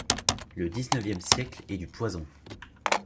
Le dix-neuvième siècle est du poison.